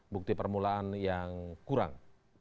bukti permulaan yang kurang